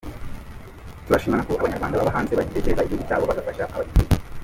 Turanashima ko Abanyarwanda baba hanze bagitekereza igihugu cyabo bagafasha abagituye.